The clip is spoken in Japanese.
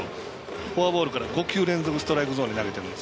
フォアボールから５球連続ストライクゾーンに投げてるんです。